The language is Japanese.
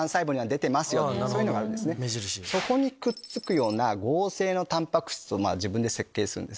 そこにくっつくような合成のタンパク質を自分で設計する。